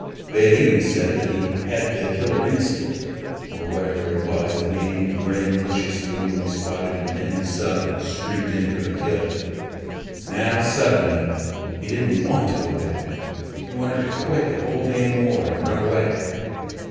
They had even said that "he had the killer instinct" or whatever it was that made him grin maliciously when he spotted an enemy sub and streaked in for the kill. Now suddenly he didn't want to go back. He wanted to quit the whole damn war and run away.